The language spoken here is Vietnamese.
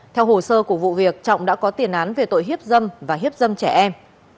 theo hồ sơ của vụ việc trọng đã có tiền án về tội hiếp dâm và hiếp dâm trẻ em